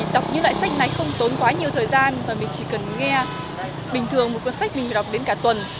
đọc như loại sách này không tốn quá nhiều thời gian và mình chỉ cần nghe bình thường một cuốn sách mình phải đọc đến cả tuần